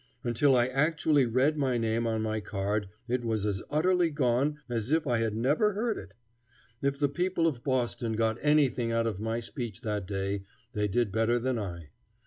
Until I actually read my name on my card it was as utterly gone as if I had never heard it. If the people of Boston got anything out of my speech that day they did better than I.